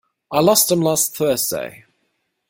I lost them last Thursday.